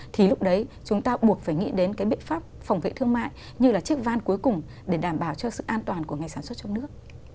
thì lúc đấy chúng ta buộc phải nghĩ đến cái biện pháp phòng vệ thương mại như là chiếc van cuối cùng để đảm bảo cho sự an toàn của ngày sản xuất trong nước